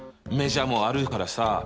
メジャーもあるからさ。